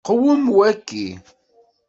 Qwem waki.